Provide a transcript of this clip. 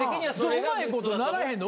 うまいことならへんの？